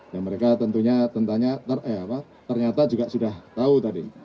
ya mereka tentunya tentanya eh apa ternyata juga sudah tahu tadi